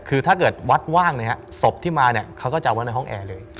คือถ้าเกิดวัดว่างศพที่มาเนี่ยเขาก็จะเอาไว้ในห้องแอร์เลย